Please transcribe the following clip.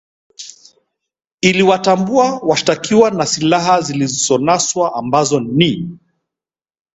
iliwatambua washtakiwa na silaha zilizonaswa ambazo ni